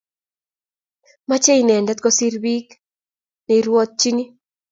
Machi inendet kosiir chi neirwotyini